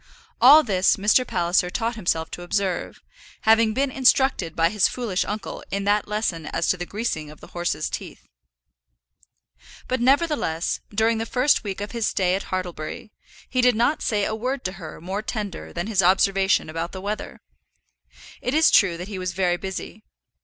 All this Mr. Palliser taught himself to observe, having been instructed by his foolish uncle in that lesson as to the greasing of the horses' teeth. But, nevertheless, during the first week of his stay at Hartlebury, he did not say a word to her more tender than his observation about the weather. It is true that he was very busy.